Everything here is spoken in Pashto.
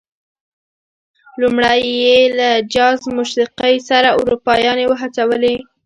لومړی یې له جاز موسيقۍ سره اروپايانې وهڅولې.